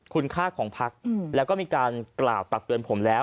คุณค่าของพักแล้วก็มีการกล่าวตักเตือนผมแล้ว